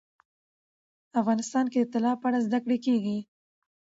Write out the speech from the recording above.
افغانستان کې د طلا په اړه زده کړه کېږي.